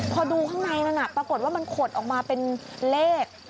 พอดูข้างในนั้นปรากฏว่ามันขดออกมาเป็นเลข